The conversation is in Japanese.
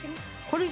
これ。